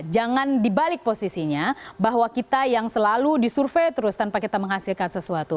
jangan dibalik posisinya bahwa kita yang selalu disurvey terus tanpa kita menghasilkan sesuatu